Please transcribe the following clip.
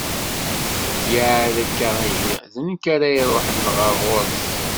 Kiɛad akka ihi, d nekk ara iruḥen ɣer ɣur-s.